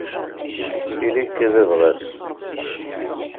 Ili-k d abɣas.